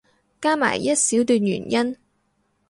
加埋一小段原因